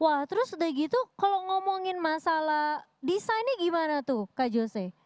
wah terus udah gitu kalau ngomongin masalah desainnya gimana tuh kak jose